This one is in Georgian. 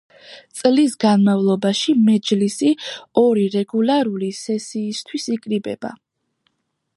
წლის განმავლობაში მეჯლისი ორი რეგულარული სესიისთვის იკრიბება.